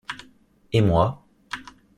Et moi ?